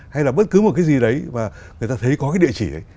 hay là bất cứ một cái gì đấy mà người ta thấy có cái địa chỉ đấy